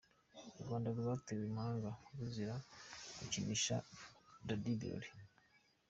U Rwanda rwatewe mpaga ruzira gukinisha Dady Birori.